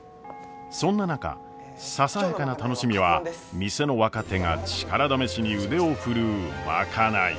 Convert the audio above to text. そんな中ささやかな楽しみは店の若手が力試しに腕を振るう賄い。